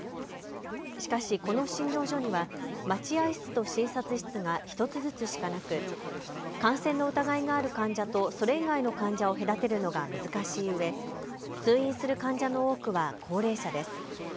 しかしこの診療所には待合室と診察室が１つずつしかなく感染の疑いがある患者とそれ以外の患者を隔てるのが難しいうえ通院する患者の多くは高齢者です。